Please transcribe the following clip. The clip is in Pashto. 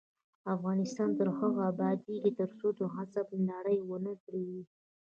افغانستان تر هغو نه ابادیږي، ترڅو د غصب لړۍ ونه دریږي.